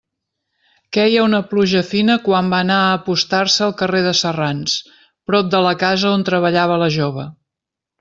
Queia una pluja fina quan va anar a apostar-se al carrer de Serrans, prop de la casa on treballava la jove.